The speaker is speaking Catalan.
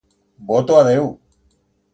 Voto a Déu!